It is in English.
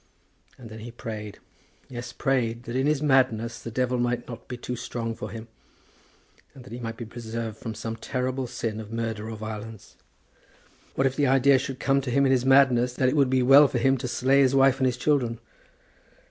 And then he prayed, yes, prayed, that in his madness the Devil might not be too strong for him, and that he might be preserved from some terrible sin of murder or violence. What, if the idea should come to him in his madness that it would be well for him to slay his wife and his children?